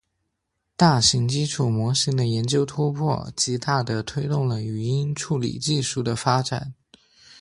大型基础模型的研究突破，极大地推动了语音处理技术的发展。